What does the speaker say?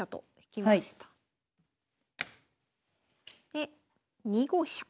で２五飛車。